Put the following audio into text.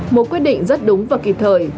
một quyết định rất đúng và kịp thời